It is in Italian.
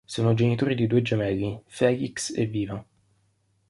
Sono genitori di due gemelli; Felix e Viva.